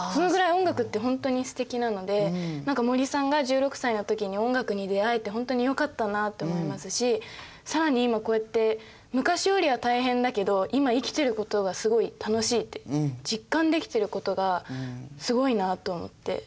音楽って本当にステキなので何か森さんが１６歳の時に音楽に出会えて本当によかったなと思いますし更に今こうやって昔よりは大変だけど今生きていることがすごい楽しいって実感できていることがすごいなと思って。